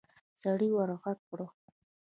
سړي ورغږ کړ.